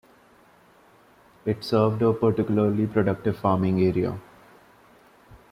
It served a particularly productive farming area.